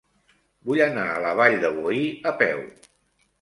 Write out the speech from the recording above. Vull anar a la Vall de Boí a peu.